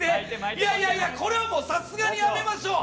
いやいやいや、これはもうさすがにやめましょう。